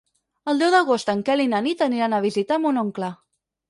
El deu d'agost en Quel i na Nit aniran a visitar mon oncle.